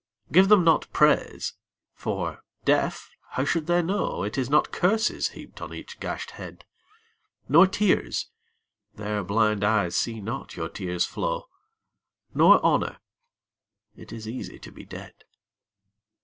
Give them not praise. For, deaf, how should they know It is not curses heaped on each gashed head ? Nor tears. Their blind eyes see not your tears flow. Nor honour. It is easy to be dead.